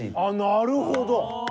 あっなるほど！